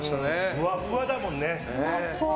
ふわふわだもんね。